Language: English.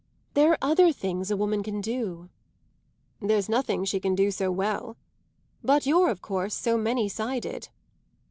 There are other things a woman can do." "There's nothing she can do so well. But you're of course so many sided."